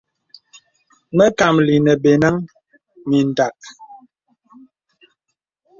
Məkàməlì nə̀ bə̀nəŋ mindàk.